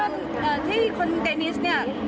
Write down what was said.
จริงขึ้นท่วงที่คุณิเตนิสเนี่ย